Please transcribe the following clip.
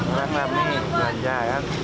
orang ramai belanja kan